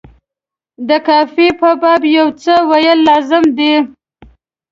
د قافیې په باب یو څه ویل لازم دي.